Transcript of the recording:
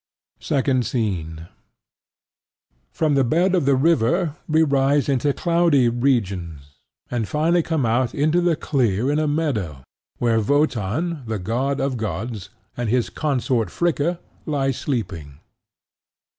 Second Scene From the bed of the river we rise into cloudy regions, and finally come out into the clear in a meadow, where Wotan, the god of gods, and his consort Fricka lie sleeping.